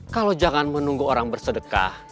kalau jangan menunggu orang bersedekah